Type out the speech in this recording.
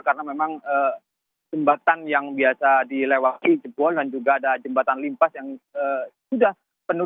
karena memang jembatan yang biasa dilewati jebol dan juga ada jembatan limpas yang sudah penuh